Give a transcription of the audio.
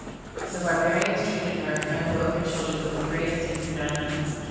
The barbarians treated her and both her children with the greatest inhumanity.